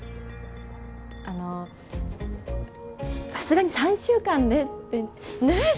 あのさすがに３週間でってねえ